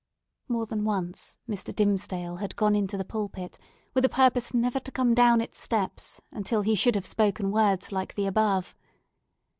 More than once, Mr. Dimmesdale had gone into the pulpit, with a purpose never to come down its steps until he should have spoken words like the above.